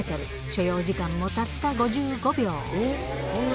所要時間もたった５５秒。